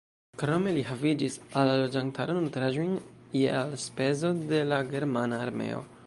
Krome li havigis al la loĝantaro nutraĵojn je elspezo de la germana armeo.